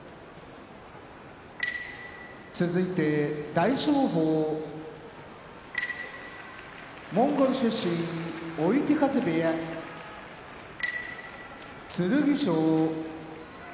大翔鵬モンゴル出身追手風部屋剣翔